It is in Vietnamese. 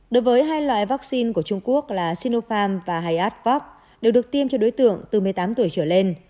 đối với hai loại vắc xin của trung quốc là sinopharm và hayat vac đều được tiêm cho đối tượng từ một mươi tám tuổi trở lên